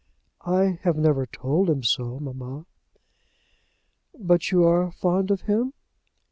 "I have never told him so, mamma." "But you are fond of him?"